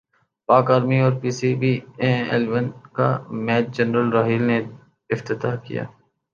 پاک ارمی اور P C B eleven کا میچ جنرل راحیل نے افتتاح کیا